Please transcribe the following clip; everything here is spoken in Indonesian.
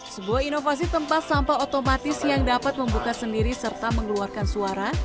sebuah inovasi tempat sampah otomatis yang dapat membuka sendiri serta mengeluarkan suara